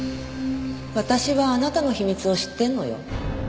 私はあなたの秘密を知ってるのよ。